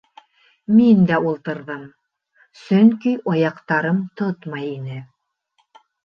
Мин дә ултрыҙым, сөнки аяҡтарым тотмай китте.